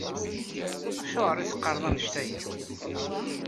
Acuɣer i teqqareḍ anect-a akk?